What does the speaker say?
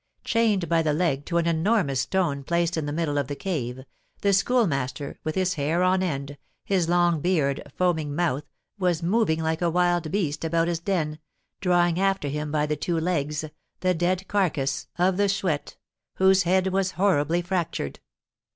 Chained by the leg to an enormous stone placed in the middle of the cave, the Schoolmaster, with his hair on end, his long beard, foaming mouth, was moving like a wild beast about his den, drawing after him by the two legs the dead carcase of the Chouette, whose head was horribly fractured.